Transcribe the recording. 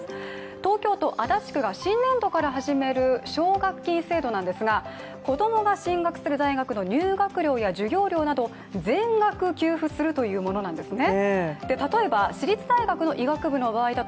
東京都足立区が新年度から始める奨学金制度なんですが子供が進学する大学の入学料や授業料など全額給付するというものなんですね。